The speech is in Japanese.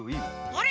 あれ？